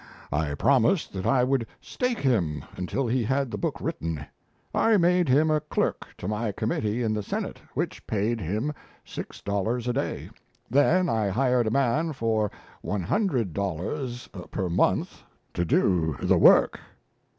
I promised that I would 'stake' him until he had the book written. I made him a clerk to my committee in the senate, which paid him six dollars per day; then I hired a man for one hundred dollars per month to do the work!"